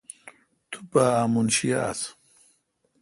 تو پا امنشی یاس۔